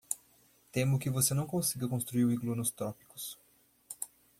Temo que você não consiga construir um iglu nos trópicos.